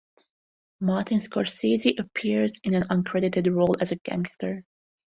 Martin Scorsese appears in an uncredited role as a gangster.